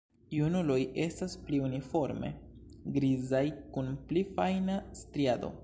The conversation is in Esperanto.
Junuloj estas pli uniforme grizaj kun pli fajna striado.